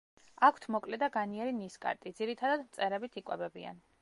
აქვთ მოკლე და განიერი ნისკარტი, ძირითადად მწერებით იკვებებიან.